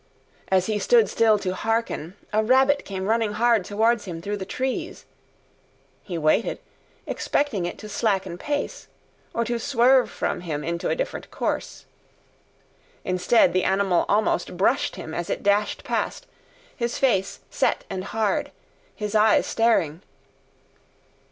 As he stood still to hearken, a rabbit came running hard towards him through the trees. He waited, expecting it to slacken pace, or to swerve from him into a different course. Instead, the animal almost brushed him as it dashed past, his face set and hard, his eyes staring.